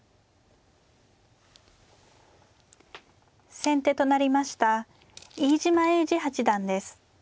先手となりました飯島栄治八段です。